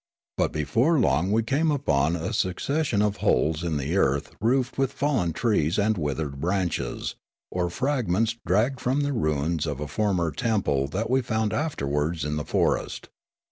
But before long we came upon a succession of holes in the earth roofed with fallen trees and withered branches, or fragments dragged from the ruins of a former temple Sneekape 163 that we found afterwards in the forest.